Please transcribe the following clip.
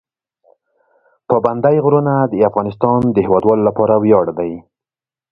پابندی غرونه د افغانستان د هیوادوالو لپاره ویاړ دی.